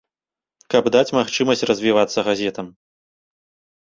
Каб даць магчымасць развівацца газетам.